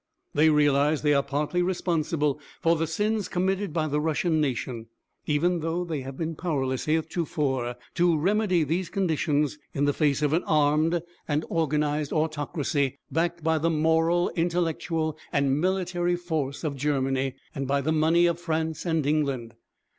They realise that they are partly responsible for the sins committed by the Russian nation, even though they have been powerless heretofore to remedy these conditions in the face of an armed and organised autocracy, backed by the moral, intellectual and military force of Germany and by the money of France and England.